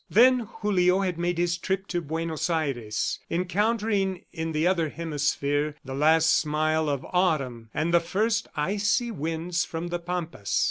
Then Julio had made his trip to Buenos Aires, encountering in the other hemisphere the last smile of Autumn and the first icy winds from the pampas.